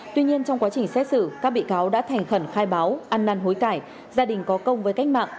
tuy nhiên trong quá trình xét xử các bị cáo đã thành khẩn khai báo ăn năn hối cải gia đình có công với cách mạng